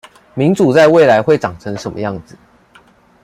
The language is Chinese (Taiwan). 民主在未來會長成什麼樣子？